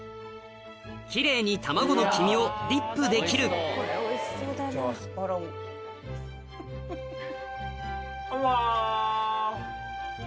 奇麗に卵の黄身をディップできるうわ。